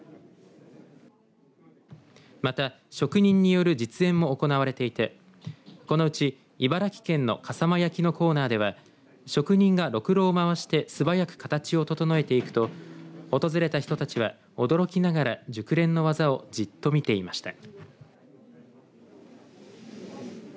また職人による実演も行われていてこのうち茨城県の笠間焼のコーナーでは職人がろくろを回して素早く形を整えていくと訪れた人たちは驚きながら熟練の技をじっと見ていました。